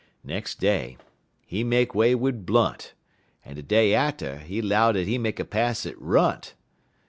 "Nex' day, he make way wid Blunt, en de day atter, he 'low dat he make a pass at Runt.